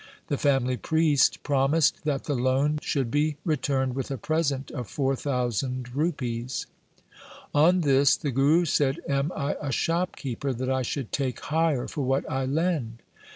The family priest promised that the loan should be returned with a present of 4,000 rupees. On this the Guru said, 1 Am I a shop keeper that I should take hire for what I lend